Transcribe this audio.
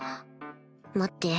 待って？